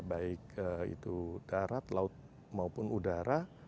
baik itu darat laut maupun udara